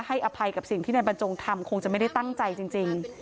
อภัยกับสิ่งที่นายบรรจงทำคงจะไม่ได้ตั้งใจจริง